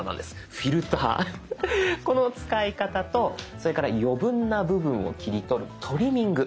フィルターこの使い方とそれから余分な部分を切り取る「トリミング」。